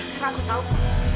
karena aku tahu kak